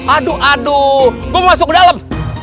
aduh aduh gue masuk ke dalam